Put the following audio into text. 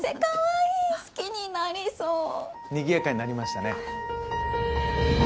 にぎやかになりましたね。